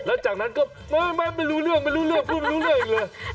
แล้วจากนั้นก็ไม่รู้เรื่องไม่รู้เรื่องพูดไม่รู้เรื่องอีกเลย